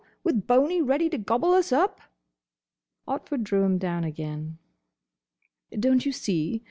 With Boney ready to gobble us up!" Otford drew him down again. "Don't you see?